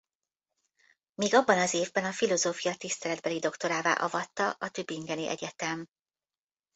Még abban az évben a filozófia tiszteletbeli doktorává avatta a tübingeni egyetem.